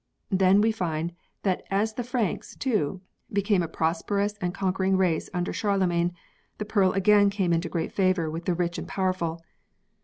Then we find that as the Franks, too, became a prosperous and conquering race under Charlemagne, the pearl again came into great favour with the rich and powerful.